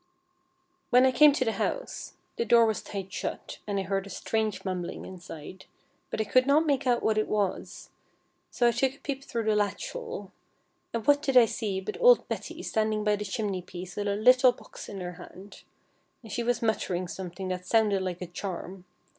When I came to the house, the door was tight shut, and I heard a strange mumbling inside, but I could not make out what it was. So I took a peep through the latch hole. And what did I see but old Betty standing by the chimney piece with a little box in her hand, and she was muttering something that sounded like a charm.